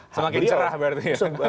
semakin cerah berarti ya